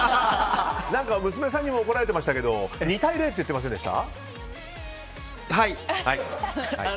娘さんにも怒られてましたけど２対０って言ってませんでした？